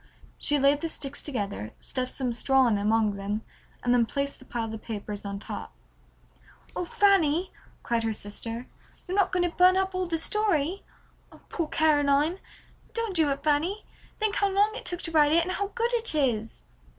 She laid the sticks together, stuffed some straw in among them, and then placed the pile of papers on top. "Oh, Fanny," cried her sister, "you're not going to burn up all the story? Oh, poor Caroline! Don't do it, Fanny; think how long it took to write it and how good it is!"